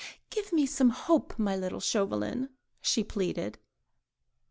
"Give me some hope, my little Chauvelin," she pleaded.